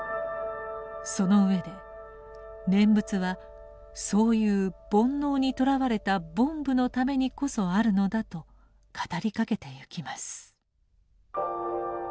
その上で念仏はそういう煩悩にとらわれた「凡夫」のためにこそあるのだと語りかけてゆきます。